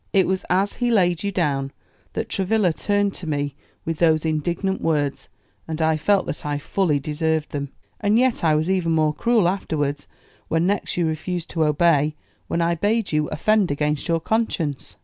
It was as he laid you down that Travilla turned to me with those indignant words, and I felt that I fully deserved them. And yet I was even more cruel afterwards, when next you refused to obey when I bade you offend against your conscience."